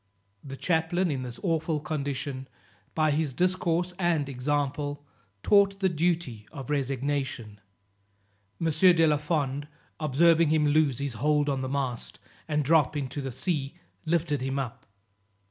The chaplain, in this awful condition, by his discourse and example, taught the duty of resignation. M. de la Fond observing him lose his hold on the mast, and drop into the sea, lifted him up.